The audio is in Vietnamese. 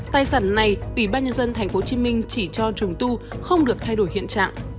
tài sản này ủy ban nhân dân tp hcm chỉ cho trùng tu không được thay đổi hiện trạng